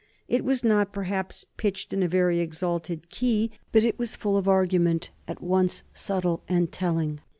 It was not, perhaps, pitched in a very exalted key, but it was full of argument, at once subtle and telling.